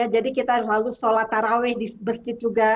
jadi kita selalu solat taraweh di masjid juga